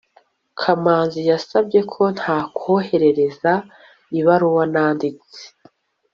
kamanzi yansabye ko ntakohereza ibaruwa nanditse